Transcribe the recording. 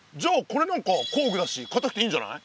これなんか工具だし硬くていいんじゃない？